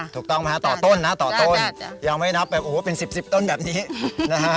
ถูกต้องไหมฮะต่อต้นนะต่อต้นยังไม่นับแบบโอ้โหเป็นสิบสิบต้นแบบนี้นะฮะ